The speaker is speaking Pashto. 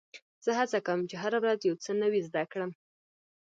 زه هڅه کوم، چي هره ورځ یو څه نوی زده کړم.